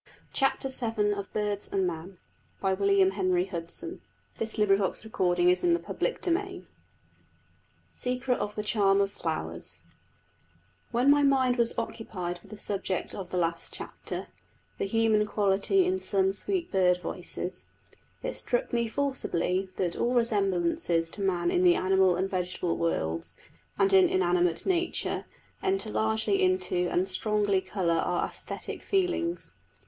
wever high they may rank in other ways, are yet without this secondary æsthetic element. CHAPTER VII SECRET OF THE CHARM OF FLOWERS When my mind was occupied with the subject of the last chapter the human quality in some sweet bird voices it struck me forcibly that all resemblances to man in the animal and vegetable worlds and in inanimate nature, enter largely into and strongly colour our æsthetic feelings.